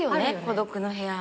孤独の部屋。